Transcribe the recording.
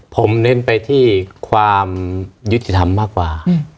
ผมเน้นไปที่ความยุติธรรมมากกว่า